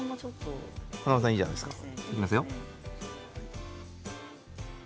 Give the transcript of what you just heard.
華丸さん、いいじゃないですか。